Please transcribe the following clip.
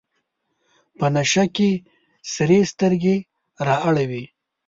په نشه کې سرې سترګې رااړوي.